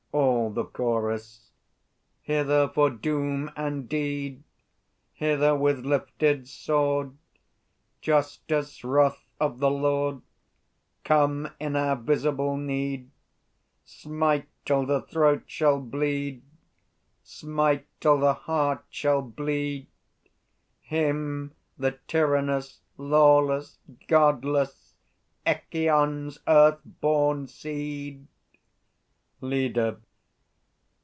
All the Chorus. Hither for doom and deed! Hither with lifted sword, Justice, Wrath of the Lord, Come in our visible need! Smite till the throat shall bleed, Smite till the heart shall bleed, Him the tyrannous, lawless, Godless, Echîon's earth born seed! LEADER.